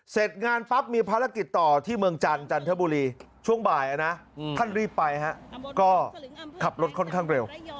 เสร็จงานปั๊บมีภารกิจต่อที่เมืองจันทร์จันทบุรีช่วงบ่ายนะท่านรีบไปฮะก็ขับรถค่อนข้างเร็ว